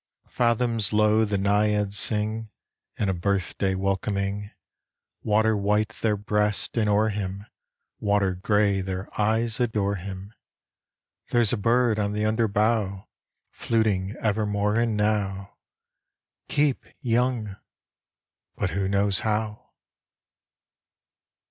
Fathoms low, the naiads sing In a birthday welcoming; Water white their breasts, and o'er him, Water gray, their eyes adore him. (There 's a bird on the under bough Fluting evermore and now: "Keep young!" but who knows how?)